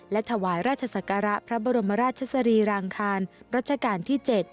และถวายราชศักระพระบรมราชสรีรางคารรัชกาลที่๗